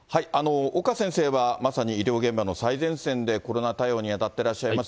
岡先生は、まさに医療現場の最前線でコロナ対応に当たってらっしゃいます。